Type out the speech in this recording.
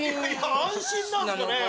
あ安心なんですかね